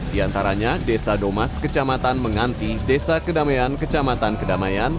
di antaranya desa domas kecamatan menganti desa kedamaian kecamatan kedamaian